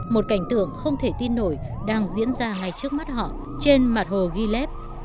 một cảnh tượng không thể tin nổi đang diễn ra ngay trước mắt họ trên mặt hồ gileb